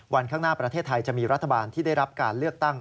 วันข้างหน้าประเทศไทยจะมีรัฐบาลที่ได้รับการเลือกตั้ง